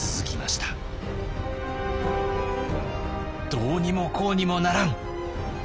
「どうにもこうにもならん！」。